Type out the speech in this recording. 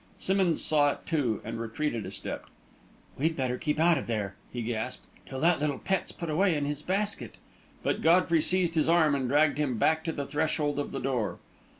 Simmonds saw it too, and retreated a step. "We'd better keep out of there," he gasped, "till that little pet's put away in his basket." But Godfrey seized his arm and dragged him back to the threshold of the door.